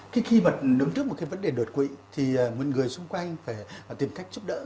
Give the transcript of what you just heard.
khi mà đứng trước một cái vấn đề đột quỵ thì một người xung quanh phải tìm cách giúp đỡ